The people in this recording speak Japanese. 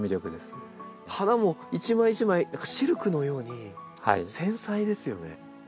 花も一枚一枚シルクのように繊細ですよね。